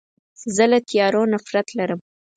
زه له تیارو نفرت لرم.